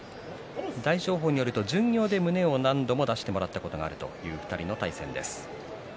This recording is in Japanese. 大翔鵬によると巡業で胸を何度も出してもらったことがあるという２人の対戦です。